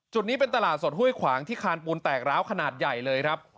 นี้เป็นตลาดสดห้วยขวางที่คานปูนแตกร้าวขนาดใหญ่เลยครับ